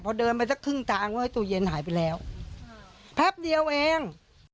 พอเดินไปสักครึ่งทางว่าตู้เย็นหายไปแล้วแป๊บเดียวเอง